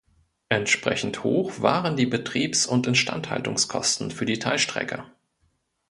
Entsprechend hoch waren die Betriebs- und Instandhaltungskosten für die Teilstrecke.